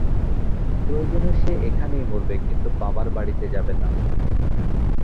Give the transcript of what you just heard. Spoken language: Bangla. প্রয়োজনে সে এইখানেই মরবে, কিন্তু বাবার বাড়িতে যাবেনা।